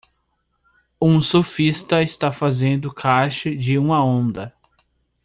Um surfista está fazendo cache de uma onda.